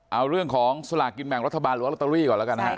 เอาเรื่องของสลากกินแบ่งรัฐบาลหรือว่าลอตเตอรี่ก่อนแล้วกันนะฮะ